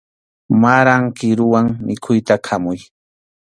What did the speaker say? Maran kiruwan mikhuyta khamuy.